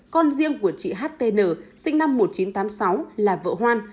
con riêng của chị ht n sinh năm một nghìn chín trăm tám mươi sáu là vợ hoan